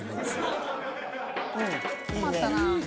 困ったな。